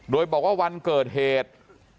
โดยบอกว่าวันเกิดเหตุ